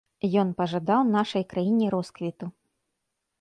Ён пажадаў нашай краіне росквіту.